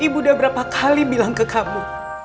ibu udah berapa kali bilang ke kamu